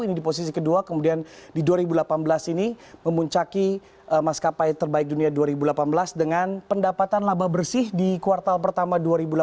ini di posisi kedua kemudian di dua ribu delapan belas ini memuncaki maskapai terbaik dunia dua ribu delapan belas dengan pendapatan laba bersih di kuartal pertama dua ribu delapan belas